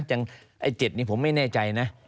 ไอ้๗นี้ผมไม่แน่ใจนะ